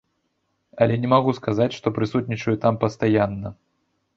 Але не магу сказаць, што прысутнічаю там пастаянна.